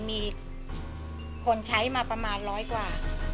มีคนใช้มาประมาณร้อยกว่า